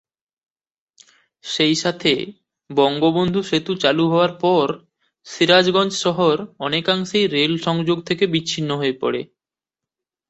সেই সাথে বঙ্গবন্ধু সেতু চালু হওয়ার পর সিরাজগঞ্জ শহর অনেকাংশেই রেল সংযোগ থেকে বিচ্ছিন্ন হয়ে পড়ে।